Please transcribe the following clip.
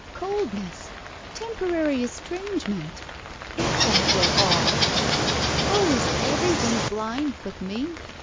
" Coldness ! Temporary estrangement ! If that were all ! Oh, is every one blind but me